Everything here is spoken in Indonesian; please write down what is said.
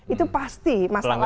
itu pasti masalahnya kan